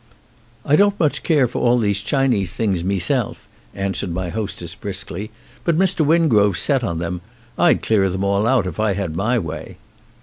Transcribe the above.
"I don't much care for all these Chinese things meself," answered my hostess briskly, "but Mr. Wingrove's set on them. I'd clear them all out if I had my way."